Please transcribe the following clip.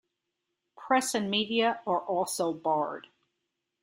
Press and media are also barred.